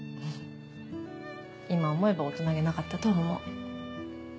今思えば大人げなかったとは思う。